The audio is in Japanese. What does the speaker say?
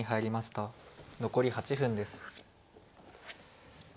残り８分です。